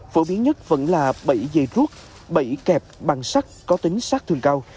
phổ biến nhất vẫn là bẫy dây ruốt bẫy kẹp bằng sắc có tính sắc thường cao